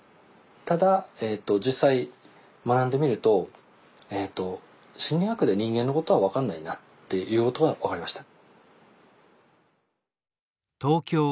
ただ実際学んでみると心理学で人間のことは分かんないなっていうことが分かりました。